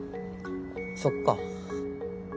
そっか。